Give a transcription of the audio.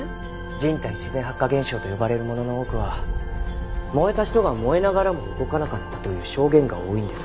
人体自然発火現象と呼ばれるものの多くは燃えた人が燃えながらも動かなかったという証言が多いんです。